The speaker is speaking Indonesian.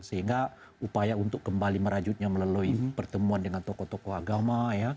sehingga upaya untuk kembali merajutnya melalui pertemuan dengan tokoh tokoh agama